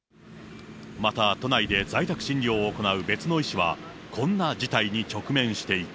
また都内で在宅診療を行う別の医師はこんな事態に直面していた。